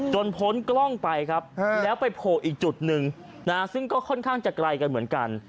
พ้นกล้องไปครับแล้วไปโผล่อีกจุดหนึ่งซึ่งก็ค่อนข้างจะไกลกันเหมือนกัน